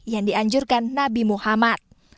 yang dianjurkan nabi muhammad